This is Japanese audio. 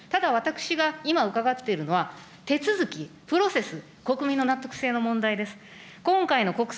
ただ、私が今伺っているのは、手続き、プロセス、国民の納得性の問題です。